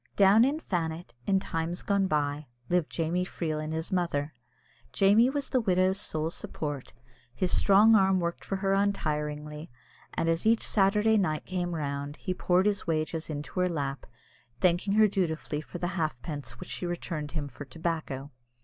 Down in Fannet, in times gone by, lived Jamie Freel and his mother. Jamie was the widow's sole support; his strong arm worked for her untiringly, and as each Saturday night came round, he poured his wages into her lap, thanking her dutifully for the halfpence which she returned him for tobacco.